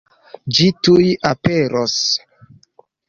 Ĝi tuj aperos.